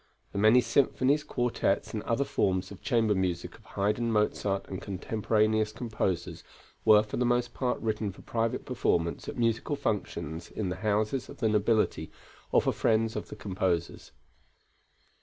The many symphonies, quartets, and other forms of chamber music of Haydn, Mozart and contemporaneous composers, were for the most part written for private performance at musical functions in the houses of the nobility, or for friends of the composers.